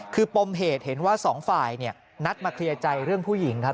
คือปมเหตุเห็นว่าสองฝ่ายนัดมาเคลียร์ใจเรื่องผู้หญิงครับ